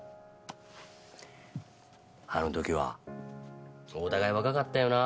あのときはお互い若かったよな。